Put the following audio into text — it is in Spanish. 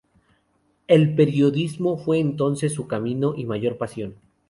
El periodismo fue entonces su camino y mayor pasión.